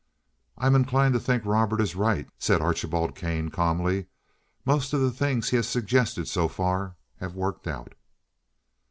"I'm inclined to think Robert is right," said Archibald Kane calmly. "Most of the things he has suggested so far have worked out."